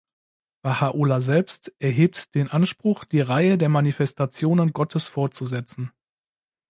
Baha'ullah selbst erhebt den Anspruch, die Reihe der Manifestationen Gottes fortzusetzen.